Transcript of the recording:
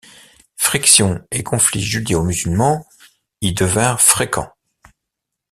Frictions et conflits judéo-musulmans y devinrent fréquents.